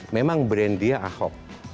memang brand dia ahok